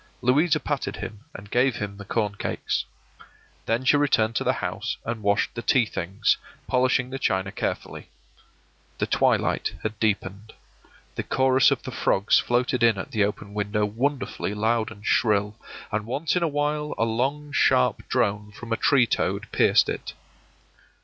Louisa patted him and gave him the corn cakes. Then she returned to the house and washed the tea things, polishing the china carefully. The twilight had deepened; the chorus of the frogs floated in at the open window wonderfully loud and shrill, and once in a while a long sharp drone from a tree toad pierced it.